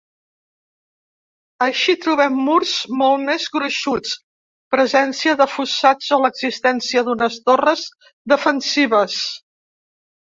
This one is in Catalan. Així trobem murs molt més gruixuts, presència de fossats o l'existència d’unes torres defensives.